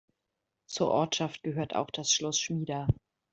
Zur Ortschaft gehört auch das Schloss Schmida.